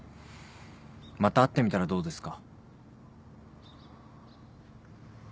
また会ってみたらどうですか？